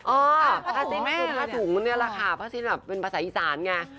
โอ้ภาษุถุงนี่แหละค่ะภาษุถุงมีภาษาอีสานไง